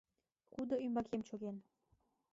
Кудо ӱмбакем чоген.